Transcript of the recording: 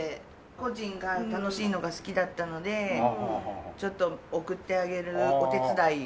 故人が楽しいのが好きだったのでちょっと送ってあげるお手伝いを。